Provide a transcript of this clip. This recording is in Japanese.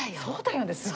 そうだよね？